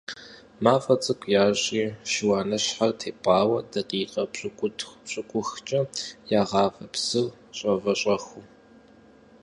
Мафӏэр цӏыкӏу ящӏри шыуаныщхьэр тепӏауэ дакъикъэ пщыкӏутху - пщыкӏухкӏэ ягъавэ псыр щӏэвэщӏэху.